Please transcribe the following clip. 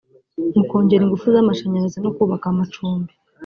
mu kongera ingufu z’amashanyarazi no kubaka amacumbi